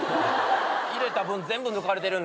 入れた分全部抜かれてる。